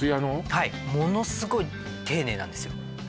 はいものすごい丁寧なんですよ